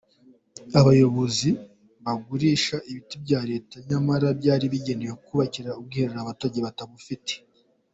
Aba bayobozi bagurishaga ibiti bya Leta nyamara byari byaragenewe kubakira ubwiherero abaturage batabufite.